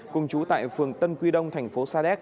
cùng chú tại phường tân quy đông thành phố sa đéc